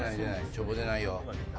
ちょぼ出ないよ。